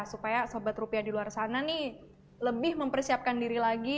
supaya sobat rupiah di luar sana nih lebih mempersiapkan diri lagi